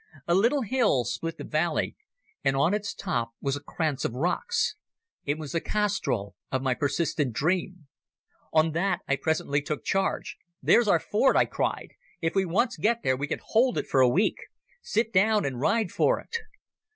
A little hill split the valley, and on its top was a kranz of rocks. It was the castrol of my persistent dream. On that I promptly took charge. "There's our fort," I cried. "If we once get there we can hold it for a week. Sit down and ride for it."